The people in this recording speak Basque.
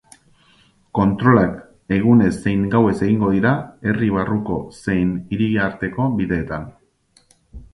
Kontrolak egunez zein gauez egingo dira, herri barruko zein hiriarteko bideetan.